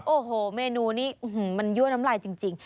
โอ้โหเมนูนี้มันยั่วน้ำลายจริง